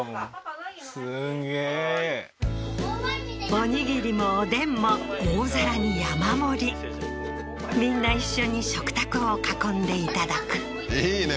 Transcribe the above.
おにぎりもおでんも大皿に山盛りみんな一緒に食卓を囲んでいただくいいね